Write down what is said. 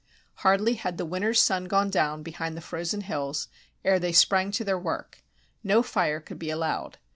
Hardly had the winter's sun gone down behind the frozen hills ere they sprang to their work. No fire could be allowed.